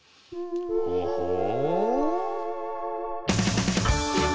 ほほう？